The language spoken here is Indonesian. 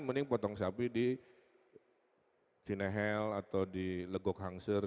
mending potong sapi di vinnahill atau di legok hangsir